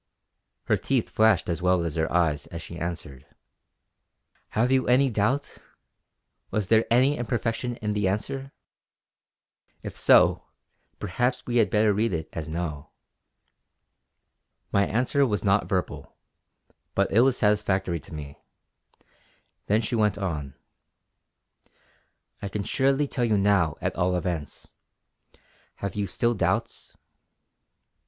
Her teeth flashed as well as her eyes as she answered: "Have you any doubt? Was there any imperfection in the answer? If so, perhaps we had better read it as 'no.'" My answer was not verbal; but it was satisfactory to me. Then she went on: "I can surely tell you now at all events. Have you still doubts?"